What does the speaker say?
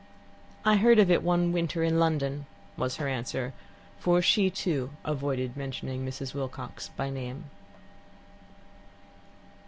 "I heard of it one winter in London," was her answer, for she, too, avoided mentioning Mrs. Wilcox by name.